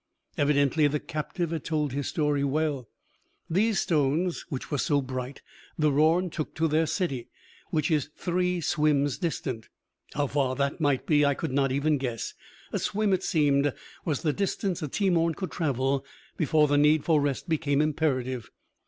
Evidently the captive had told his story well. "These stones, which were so bright, the Rorn took to their city, which is three swims distant." How far that might be, I could not even guess. A swim, it seemed, was the distance a Teemorn could travel before the need for rest became imperative.